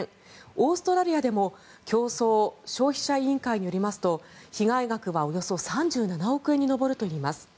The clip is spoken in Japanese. オーストラリアでも競争・消費者委員会によりますと被害額はおよそ３７億円に上るといいます。